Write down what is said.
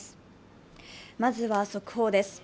まずは速報です。